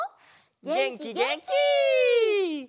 げんきげんき！